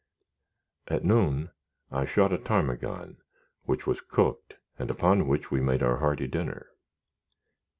At noon I shot a ptarmigan, which was cooked and upon which we made a hearty dinner.